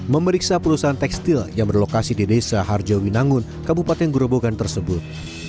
memeriksa perusahaan tekstil yang berlokasi di desa harjawi nangun kabupaten gurubogan tersebut